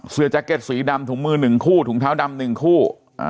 เสื้อแจ็คเก็ตสีดำถุงมือ๑คู่ถุงเท้าดำ๑คู่